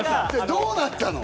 どうなったの？